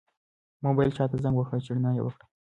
موبایل چا ته زنګ واهه چې رڼا یې وکړه؟